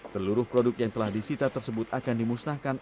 seluruh produk yang telah disita tersebut akan dimusnahkan